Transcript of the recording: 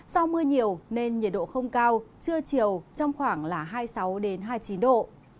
sau mưa nhiều nên nhiệt độ không cao trưa chiều trong khoảng hai mươi sáu hai mươi chín độ